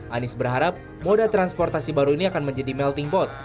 anies berharap moda transportasi baru ini akan menjadi melting pot